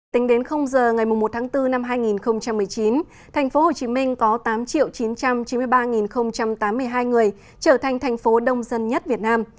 tính đến giờ ngày một tháng bốn năm hai nghìn một mươi chín thành phố hồ chí minh có tám chín trăm chín mươi ba tám mươi hai người trở thành thành phố đông dân nhất việt nam